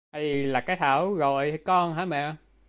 Hay là cái Thảo gọi con hả mẹ